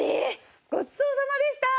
ごちそうさまでした！